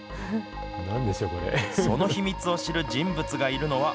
その秘密を知る人物がいるのは、